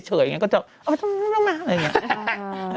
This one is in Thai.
ก็จะอย่างเงี้ย